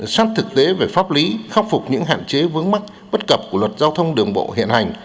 sát thực tế về pháp lý khắc phục những hạn chế vướng mắc bất cập của luật giao thông đường bộ hiện hành